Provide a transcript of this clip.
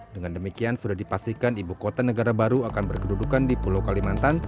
dengan demikian sudah dipastikan ibu kota negara baru akan berkedudukan di pulau kalimantan